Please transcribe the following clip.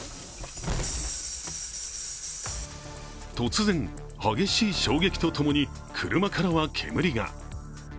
突然、激しい衝撃とともに車からは煙が。